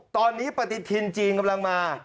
ตอนนี้ปฏิทินจีนกำลังมา